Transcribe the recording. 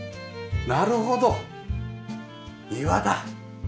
なるほど庭だ！